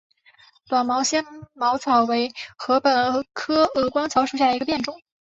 短芒纤毛草为禾本科鹅观草属下的一个变种。